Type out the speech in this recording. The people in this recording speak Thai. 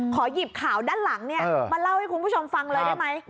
หยิบข่าวด้านหลังมาเล่าให้คุณผู้ชมฟังเลยได้ไหม